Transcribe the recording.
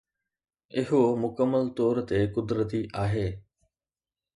اهو مڪمل طور تي قدرتي آهي.